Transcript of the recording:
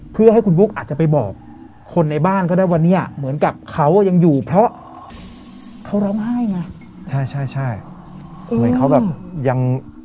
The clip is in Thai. เพื่อให้คุณบุ๊กอาจจะไปบอกคนในบ้านก็ได้ว่าเนี่ยเหมือนกับเขาอ่ะยังอยู่เพราะเขาร้องไห้ไงใช่ใช่เหมือนเขาแบบยัง